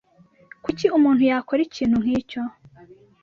Kuki umuntu yakora ikintu nkicyo?